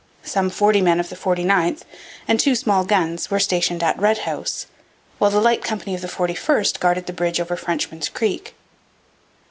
Some forty men of the 49th and two small guns were stationed at Red House; while the light company of the 41st guarded the bridge over Frenchman's Creek.